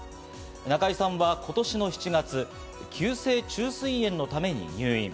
中居さんは今年の７月、急性虫垂炎のために入院。